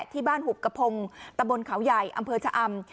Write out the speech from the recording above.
ที่บ้านหุบกระพงตะบนเขาใหญ่อำเภอชะอำ